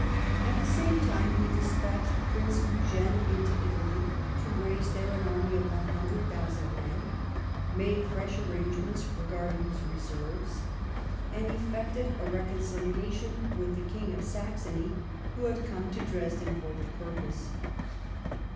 At the same time he despatched Prince Eugene into Italy, to raise there an army of 100,000 men ; made fresh arrangements regarding his reserves ; and effected a reconciliation with the King of Saxony, who had come to Dresden for the purpose.